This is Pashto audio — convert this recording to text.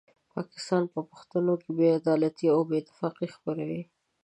پاکستان په پښتنو کې بې عدالتي او بې اتفاقي خپروي.